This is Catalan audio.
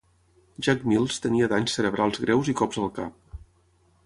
Jack Mills tenia danys cerebrals greus i cops al cap.